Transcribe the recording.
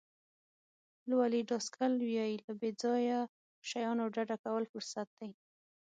لولي ډاسکل وایي له بې ځایه شیانو ډډه کول فرصت دی.